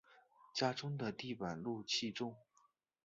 家中的地板露气重